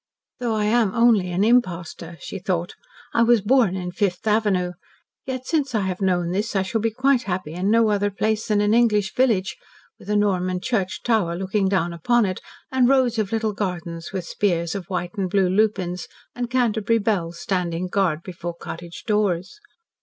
"Though I am only an impostor," she thought; "I was born in Fifth Avenue; yet since I have known this I shall be quite happy in no other place than an English village, with a Norman church tower looking down upon it and rows of little gardens with spears of white and blue lupins and Canterbury bells standing guard before cottage doors."